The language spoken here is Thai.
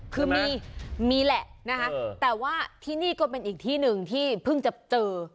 คือมีมีแหละนะคะแต่ว่าที่นี่ก็เป็นอีกที่หนึ่งที่เพิ่งจะเจอ